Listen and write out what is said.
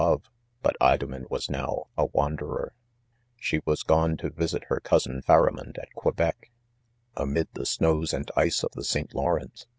lave* but Women: was now a waaderei* She mslu gone 'to visit her cousin Riaramond at Quebec*. Amid, the ^now§ and ice of, the : St. Lawrence